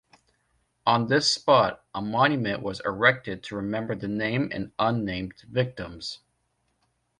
On this spot a monument was erected to remember the named and unnamed victims.